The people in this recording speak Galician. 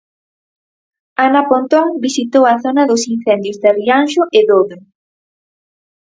Ana Pontón visitou a zona dos incendios de Rianxo e Dodro.